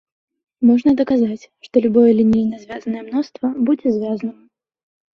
Можна даказаць, што любое лінейна звязнае мноства будзе звязным.